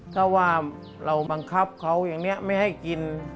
ถ้าว่าเราบังคับเขาอย่างนี้ไม่ให้กิน